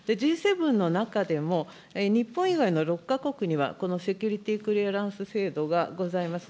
Ｇ７の中でも、日本以外の６か国には、このセキュリティ・クリアランス制度がございます。